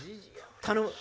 頼む！